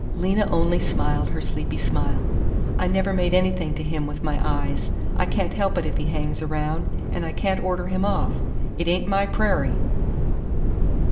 Lena only smiled her sleepy smile. "I never made anything to him with my eyes. I can't help it if he hangs around, and I can't order him off. It ain't my prairie."